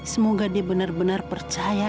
semoga dia benar benar percaya